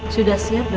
sudah siap doro